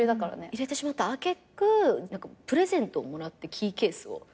入れてしまった揚げ句プレゼントをもらってキーケースを。